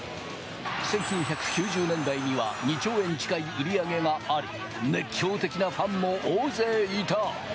１９９０年代には２兆円近い売り上げがあり、熱狂的なファンも大勢いた。